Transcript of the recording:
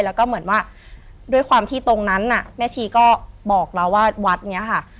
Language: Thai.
แล้วก็เหมือนว่าด้วยความที่ตรงนั้นน่ะแม่ชีก็บอกเราว่าวัดนี้ค่ะ